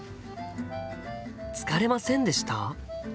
「疲れませんでした？」。